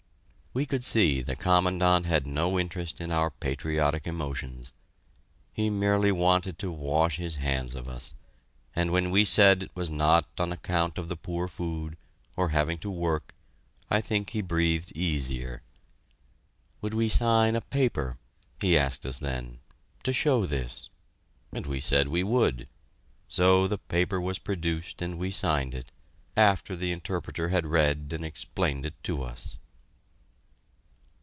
We could see the Commandant had no interest in our patriotic emotions. He merely wanted to wash his hands of us, and when we said it was not on account of the poor food, or having to work, I think he breathed easier. Would we sign a paper he asked us then to show this? And we said we would. So the paper was produced and we signed it, after the interpreter had read and explained it to us.